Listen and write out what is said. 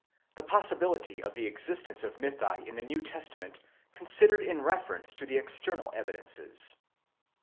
THE POSSIBILITY OF THE EXISTENCE OF MYTHI IN THE NEW TESTAMENT CONSIDERED IN REFERENCE TO THE EXTERNAL EVIDENCES.